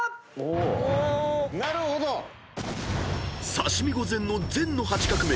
［刺身御膳の「膳」の８画目］